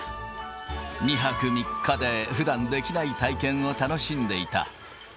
２泊３日でふだんできない体験を楽しんでいた。